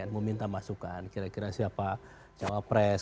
meminta masukan kira kira siapa cawapres